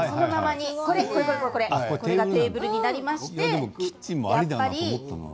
これがテーブルになりました。